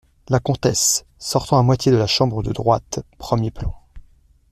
La Comtesse , sortant à moitié de la chambre de droite, premier plan.